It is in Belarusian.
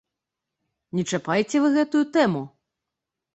Не чапайце вы гэтую тэму!